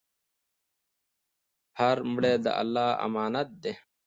هر مړی د الله امانت دی.